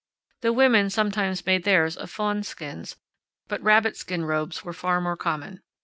The women sometimes made theirs of fawnskins, but rabbitskin r,obes were far more common.